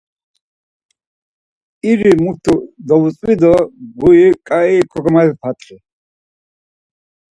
İri mutu dovutzvi do guri ǩai kagamavipatxi.